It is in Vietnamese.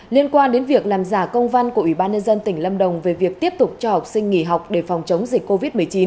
liên quan đến việc làm giả công văn của ủy ban nhân dân tỉnh lâm đồng về việc tiếp tục cho học sinh nghỉ học để phòng chống dịch covid một mươi chín